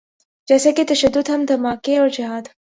جیسا کہ تشدد، بم دھماکے اورجہاد۔